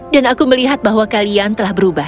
dan aku melihat bahwa kalian telah berubah